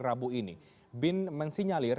rabu ini bin mensinyalir